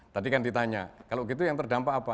tadi kan ditanya kalau gitu yang terdampak apa